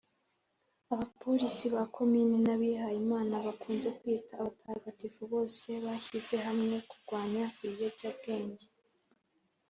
abapolisi ba Komine n abihaye Imana bakunze kwita abatagatifu bose bashyize hamwe kurwanya ibiyobyabwenge.